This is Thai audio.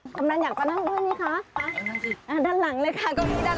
ด้านหลังเขาคนด้านหลังค่ะ